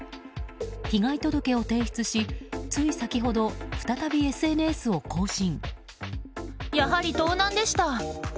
被害届を提出しつい先ほど、再びＳＮＳを更新。